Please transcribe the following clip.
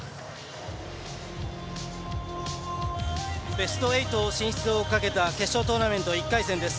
ベスト８進出をかけた決勝トーナメント１回戦です。